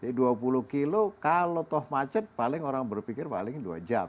jadi dua puluh kilo kalau tol macet paling orang berpikir paling dua jam